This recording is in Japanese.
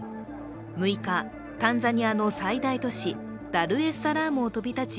６日、タンザニアの最大都市ダルエスサラームを飛び立ち、